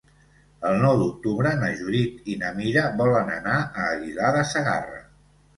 El nou d'octubre na Judit i na Mira volen anar a Aguilar de Segarra.